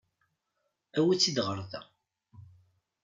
Awi-tt-id ɣer da.